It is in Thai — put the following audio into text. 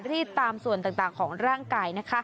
รีบตามส่วนต่างของร่างกาย